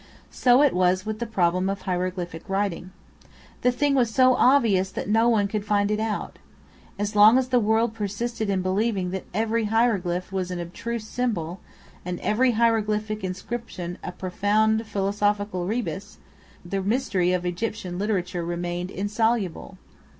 So it was with the problem of hieroglyphic writing. The thing was so obvious that no one could find it out. As long as the world persisted in believing that every hieroglyph was an abstruse symbol, and every hieroglyphic inscription a profound philosophical rebus, the mystery of Egyptian literature remained insoluble.